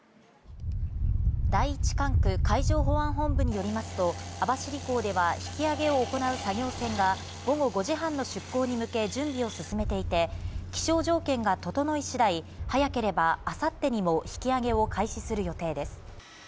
第一管区海上保安本部によりますと、網走港では引き揚げを行う作業船が午後５時半の出航に向け準備を進めていて、気象条件が整い次第、早ければ明後日にも引き揚げを開始する予定です。